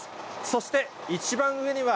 そして一番上には、